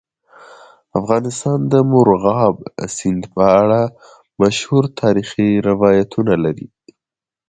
افغانستان د مورغاب سیند په اړه مشهور تاریخي روایتونه لري.